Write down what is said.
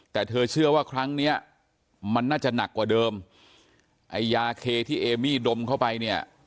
แต่เธอเชื่อว่าครั้งเนี้ยมันน่าจะหนักกว่าเดิมไอ้ยาเคที่เอมี่ดมเข้าไปเนี่ย